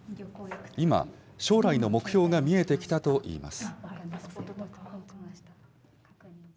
今、将来の目標が見えてきたといいます。